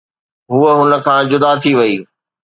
هوءَ هن کان جدا ٿي وئي.